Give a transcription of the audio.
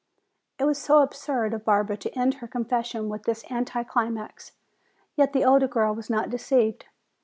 It was so absurd of Barbara to end her confession with this anti climax. Yet the older girl was not deceived.